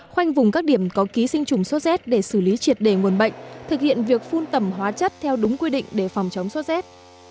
khoanh vùng các điểm có ký sinh trùng sốt xét để xử lý triệt đề nguồn bệnh thực hiện việc phun tẩm hóa chất theo đúng quy định để phòng chống sốt rét